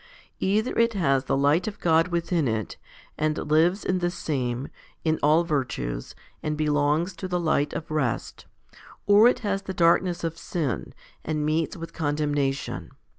Either it has the light of God within it, and lives in the same, in all virtues, and belongs to the light of rest, or it has the darkness of sin, and meets with condemnation.